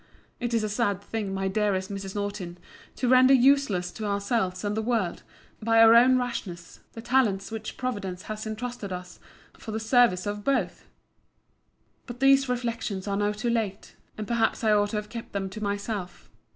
It is a sad thing, my dearest Mrs. Nortin, to render useless to ourselves and the world, by our own rashness, the talents which Providence has intrusted to us, for the service of both. But these reflections are now too late; and perhaps I ought to have kept them to myself.